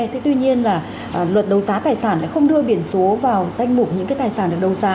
thế tuy nhiên là luật đầu xá tài sản lại không đưa biển số vào danh mục những tài sản được đầu xá